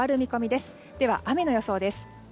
では雨の予想です。